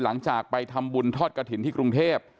หลังจากไปทำบุญทอดกระถิ่นที่กรุงเทพ